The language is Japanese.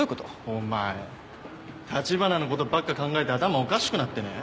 お前橘のことばっか考えて頭おかしくなってね？